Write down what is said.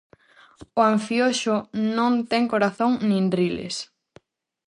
O anfioxo non ten corazón nin riles.